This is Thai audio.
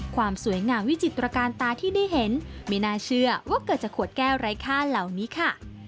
ความสวยงามวิจิตรการตาที่ได้เห็นไม่น่าเชื่อว่าเกิดจากขวดแก้วไร้ค่าเหล่านี้ค่ะ